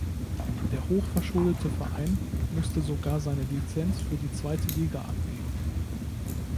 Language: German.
Der hochverschuldete Verein musste sogar seine Lizenz für die Zweite Liga abgeben.